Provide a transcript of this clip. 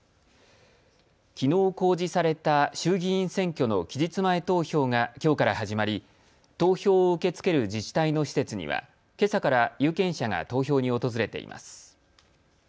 きのう公示された衆議院選挙の期日前投票がきょうから始まり投票を受け付ける自治体の施設にはけさから有権者が投票に訪れています。